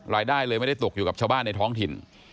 รายได้เลยไม่ได้ตกอยู่กับชาวบ้านในท้องถิ่น